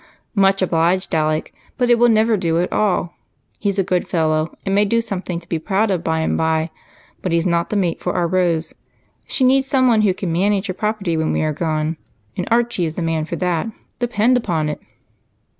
"Much obliged, Alec, but it will never do at all. He's a good fellow, and may do something to be proud of by and by, but he's not the mate for our Rose. She needs someone who can manage her property when we are gone, and Archie is the man for that, depend upon it."